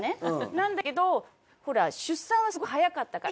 なんだけどほら出産はすごく早かったから。